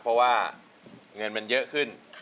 เพราะว่าเงินมันเยอะขึ้น